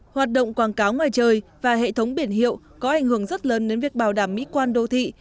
hoạt động quảng cáo ngoài trời và hệ thống biển hiệu có ảnh hưởng rất lớn đến việc bảo đảm mỹ quan đô thị